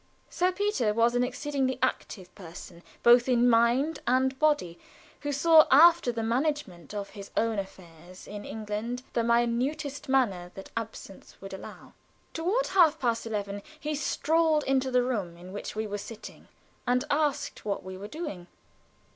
Sir Peter was an exceedingly active person, both in mind and body, who saw after the management of his affairs in England in the minutest manner that absence would allow. Toward half past eleven he strolled into the room in which we were sitting, and asked what we were doing.